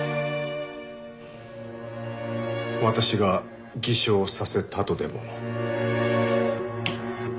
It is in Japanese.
私が偽証させたとでも？